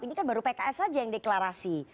ini kan baru pks saja yang deklarasi